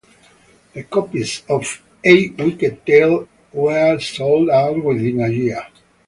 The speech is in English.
The copies of A Wicked Tale were sold-out within a year.